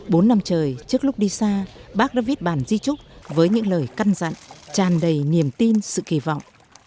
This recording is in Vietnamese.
bốn năm trời trước lúc đi xa bác đã viết bản di trúc với những lời căn dặn tràn đầy niềm tin sự kỳ vọng